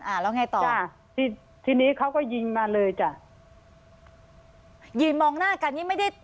แล้วไงต่อจ้ะที่ทีนี้เขาก็ยิงมาเลยจ้ะยืนมองหน้ากันนี่ไม่ได้